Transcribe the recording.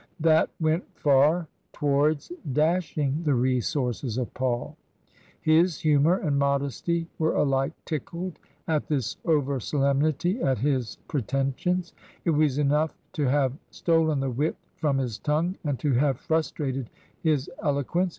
That went far towards dashing the resources of Paul. His humour and modesty were alike tickled at this over solemnity at his pretensions; it was enough to have stolen the wit from his tongue and to have frustrated his eloquence.